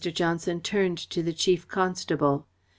Johnson turned to the Chief Constable.